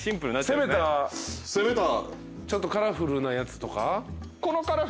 攻めたちょっとカラフルなやつとか？